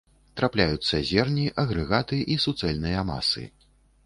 Трапляюцца зерні, агрэгаты і суцэльныя масы.